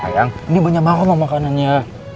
ini banyak banget makanannya